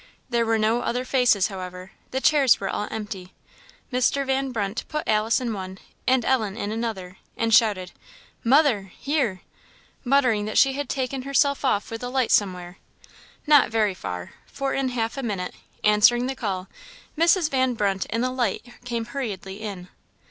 There were no other faces, however; the chairs were all empty. Mr. Van Brunt put Alice in one and Ellen in another, and shouted, "Mother! here!" muttering that she had taken herself off with the light somewhere. Not very far: for in half a minute, answering the call, Mrs. Van Brunt and the light came hurriedly in.